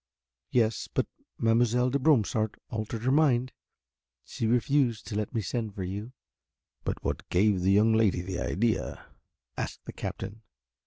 "Yes, but Mademoiselle de Bromsart altered her mind. She refused to let me send for you." "But what gave the young lady that idea?" asked the Captain.